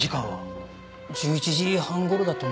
１１時半頃だと思います。